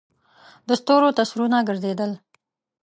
د ستورو تصویرونه گرځېدل.